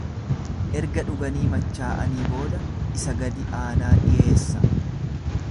Erga dhuganii machaa'anii booda isa gadi-aanaa dhiyeessa.